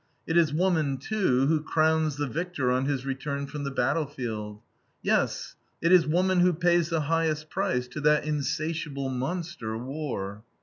It is woman, too, who crowns the victor on his return from the battlefield. Yes, it is woman who pays the highest price to that insatiable monster, war.